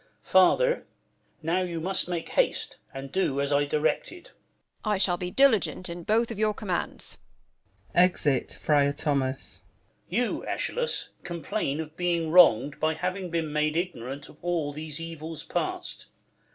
Father, now You must make haste, and do as I directed. Frl Tho. I shall be diligent in both of your Commands. [Exit Friar Thomas. Duke. You, Eschalus, complain of being wrong'd By having been made ignorant of all These evils past.